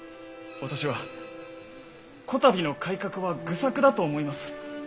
私はこたびの改革は愚策だと思います。